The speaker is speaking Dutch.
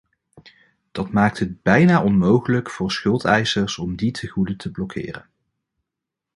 Dat maakt het bijna onmogelijk voor schuldeisers om die tegoeden te blokkeren.